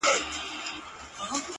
را ژوندی سوی يم” اساس يمه احساس يمه”